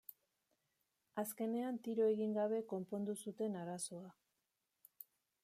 Azkenean tiro egin gabe konpondu zuten arazoa.